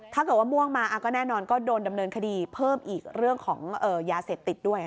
ถ้าเกิดว่าม่วงมาได้แน่นอนก็ดำเนินคดีเพิ่มอีกเรื่องของยาเสบติดด้วย